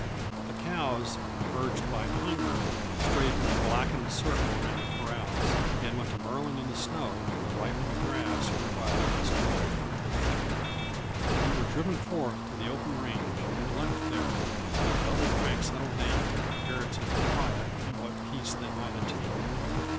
The cows, urged by hunger, strayed from the blackened circle around the corrals and went to burrowing in the snow for the ripened grass whereby they must live throughout the winter. They were driven forth to the open range and left there, and the Double Crank settled down to comparative quiet and what peace they might attain.